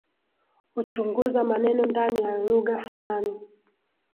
Huchunguza maneno ndani ya lugha fulani